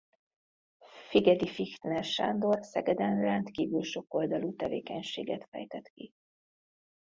Figedy-Fichtner Sándor Szegeden rendkívül sokoldalú tevékenységet fejtett ki.